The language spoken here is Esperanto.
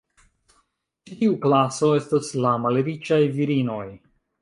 Ĉi tiu klaso estas la malriĉaj virinoj.